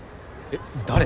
誰？